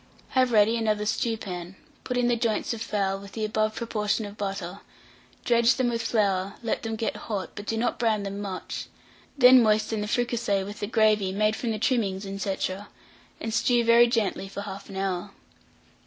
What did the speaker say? Have ready another stewpan; put in the joints of fowl, with the above proportion of butter; dredge them with flour, let them get hot, but do not brown them much; then moisten the fricassee with the gravy made from the trimmings, &c., and stew very gently for 1/2 hour.